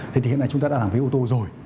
thế thì hiện nay chúng ta đã làm vé ô tô rồi